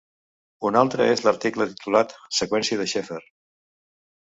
Un altre és l'article titulat "Seqüència de Sheffer".